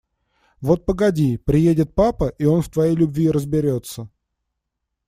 Вот погоди, приедет папа, и он в твоей любви разберется.